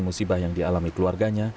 musibah yang dialami keluarganya